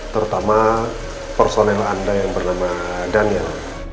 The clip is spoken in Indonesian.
terutama personel anda yang bernama daniel